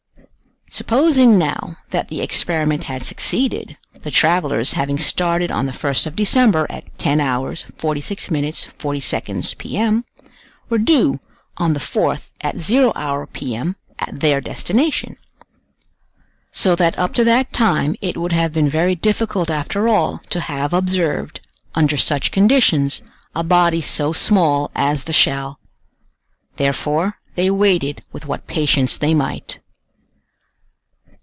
Supposing, now, that the experiment had succeeded, the travelers having started on the 1st of December, at 10h. 46m. 40s. P.M., were due on the 4th at 0h. P.M. at their destination. So that up to that time it would have been very difficult after all to have observed, under such conditions, a body so small as the shell. Therefore they waited with what patience they might.